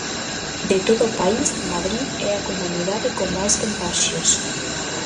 De todo o país, Madrid é a comunidade con máis contaxios.